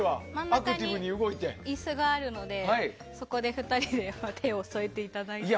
真ん中に椅子があるのでそこで２人で手を添えていただいて。